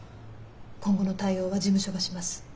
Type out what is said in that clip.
今後の対応は事務所がします。